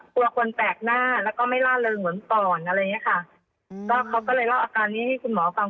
กลัวคนแตกหน้าแล้วก็ไม่ล่าเริงเหมือนป่อนอะไรเงี้ยค่ะเพราะมีอาการนี้ที่คุณหมอฟัง